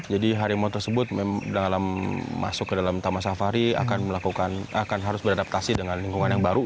jadi harimau tersebut dalam masuk ke dalam taman safari akan harus beradaptasi dengan lingkungan yang baru